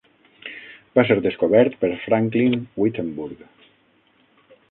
Va ser descobert per Franklin Whittenburg.